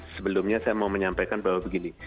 sebelumnya saya mau menyampaikan bahwa begini